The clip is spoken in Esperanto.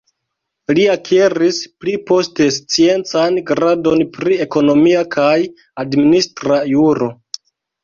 Li akiris pli poste sciencan gradon pri ekonomia kaj administra juro.